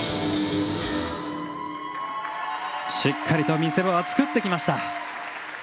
しっかり見せ場は作ってきました。